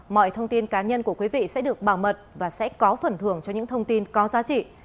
mọi thông tin cá nhân của quý vị sẽ được bảo mật và sẽ có phần thưởng cho những thông tin có giá trị